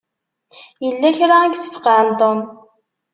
Yella kra i yesfeqɛen Tom.